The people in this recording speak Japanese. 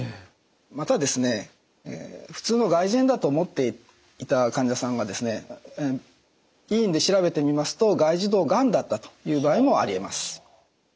また普通の外耳炎だと思っていた患者さんが医院で調べてみますと外耳道がんだったという場合もありえます。